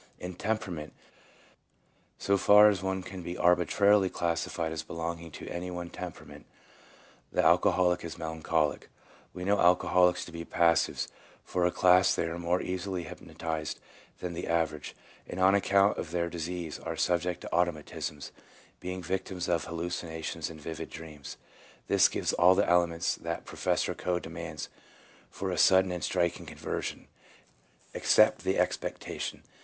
In temperament, so far as one can be arbitrarily classi fied as belonging to any one temperament, the alco holic is melancholic. We know alcoholics to be " passives," for as a class they are more easily hypno tized than the average, and on account of their disease are subject to automatisms, being victims of hallucinations and vivid dreams. This gives all the elements that Professor Coe demands for a sudden and striking conversion, except the expecta tion.